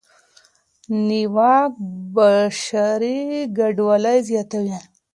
نیواک بشري کډوالۍ زیاتوي.